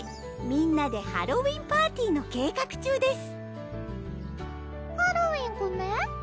みんなでハロウィンパーティの計画中ですハロウィンコメ？